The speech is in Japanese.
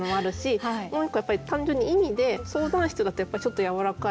もう一個やっぱり単純に意味で「相談室」だとやっぱりちょっとやわらかい。